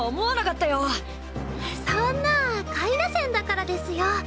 そんな下位打線だからですよォ。